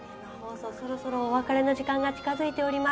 そろそろお別れの時間が近づいております。